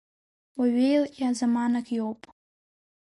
Уаҩеилҟьа заманак иоуп.